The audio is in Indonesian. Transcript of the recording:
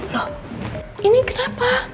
loh ini kenapa